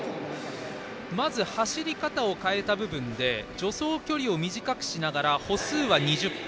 まず走り方を変えた部分で助走距離を短くしながら歩数は２０歩。